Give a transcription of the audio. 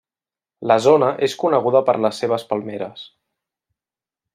La zona és coneguda per les seves palmeres.